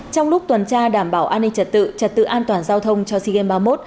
trong lúc tuần tra đảm bảo an ninh trật tự trật tự an toàn giao thông cho sea games ba mươi một